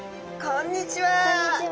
こんにちは。